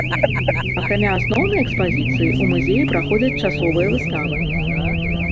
Акрамя асноўнай экспазіцыі ў музеі праходзяць часовыя выставы.